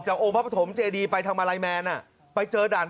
จากองค์พระประถมจดีไปทางมารัยแมนอ่ะไปเจอด่าน